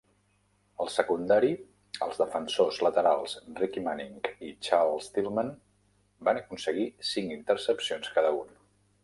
Al secundari, els defensors laterals Ricky Manning i Charles Tillman van aconseguir cinc intercepcions cada un.